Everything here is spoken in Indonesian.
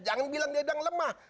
jangan bilang di edang lemah